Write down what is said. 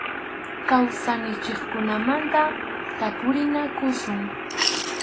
Kawsayninchikkunamanta tapurinakusun.